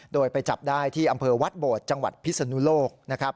โดยไปจับได้ที่อำเภอวัดโบดจังหวัดพิศนุโลกนะครับ